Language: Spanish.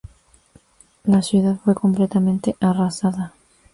La ciudad fue completamente arrasada.